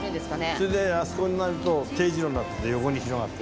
それであそこになると丁字路になってて横に広がって。